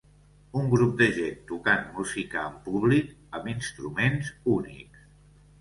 Un grup de gent tocant música en públic amb instruments únics